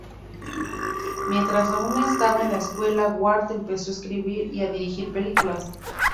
Mientras aún estaba en la escuela Ward empezó a escribir y dirigir películas.